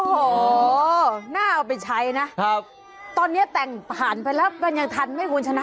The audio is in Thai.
โอ้โหน่าเอาไปใช้นะครับตอนนี้แต่งผ่านไปแล้วมันยังทันไหมคุณชนะ